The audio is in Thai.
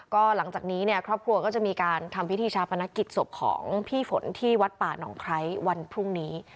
ก็หลังจากนี้เนี่ยครอบครัวก็จะมีการทำพิธีชาปนกิจศพของพี่ฝนที่วัดป่านองไคร้วันพรุ่งนี้